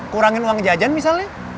kurangin uang jajan misalnya